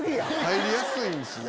入りやすいんすね。